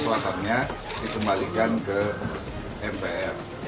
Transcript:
kelepasannya dikembalikan ke mpr